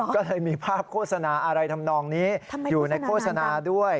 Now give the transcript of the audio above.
ก็เลยมีภาพโฆษณาอะไรทำนองนี้อยู่ในโฆษณาด้วย